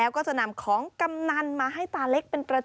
สวัสดีครับสวัสดีครับ